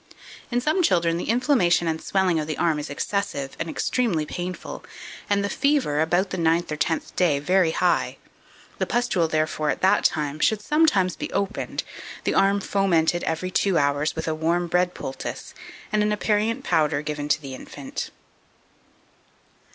2546. In some children the inflammation and swelling of the arm is excessive, and extremely painful, and the fever, about the ninth or tenth day, very high; the pustule, therefore, at that time, should sometimes be opened, the arm fomented every two hours with a warm bread poultice, and an aperient powder given to the infant.